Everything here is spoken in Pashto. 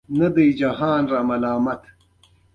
چې ته د خپل هدف څخه مخ واړوی.